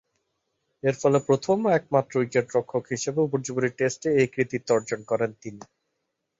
এরফলে প্রথম ও একমাত্র উইকেট-রক্ষক হিসেবে উপর্যুপরি টেস্টে এ কৃতিত্ব অর্জন করেন তিনি।